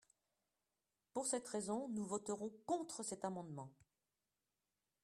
Pour cette raison, nous voterons contre cet amendement.